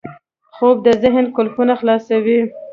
خوب د ذهن قفلونه خلاصوي